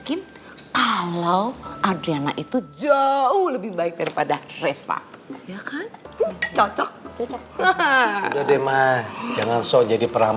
ini nilai fagir